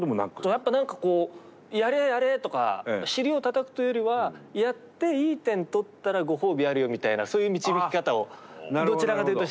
やっぱ何かこう「やれやれ」とか尻をたたくというよりはやっていい点取ったらご褒美あるよみたいなそういう導き方をどちらかというとしてくれた印象があります。